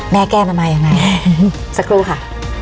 แก้มันมายังไงสักครู่ค่ะ